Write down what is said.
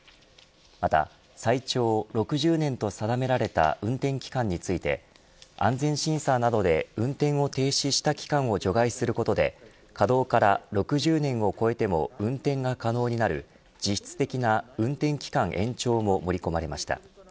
また最長６０年と定められた運転期間について安全審査などで運転を停止した期間を除外することで稼働から６０年を超えても運転が可能になる実質的な運転期間延長が盛り込まれました。